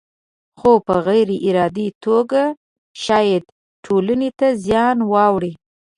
خو په غیر ارادي توګه شاید ټولنې ته زیان واړوي.